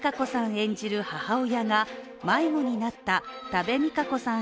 演じる母親が迷子になった多部未華子さん